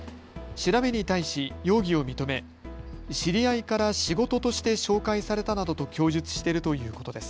調べに対し、容疑を認め知り合いから仕事として紹介されたなどと供述しているということです。